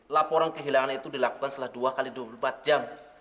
laporan kehilangan itu dilakukan setelah dua x dua puluh empat jam